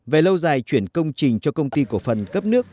về lâu dài chuyển công trình cho công ty cổ phần cấp nước